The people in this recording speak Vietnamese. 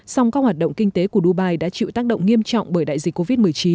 song các hoạt động kinh tế của dubai đã chịu tác động nghiêm trọng bởi đại dịch covid một mươi chín